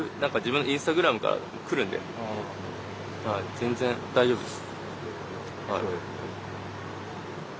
全然大丈夫です。